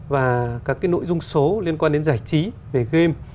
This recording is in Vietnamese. và các cái nội dung số liên quan đến giải trí về game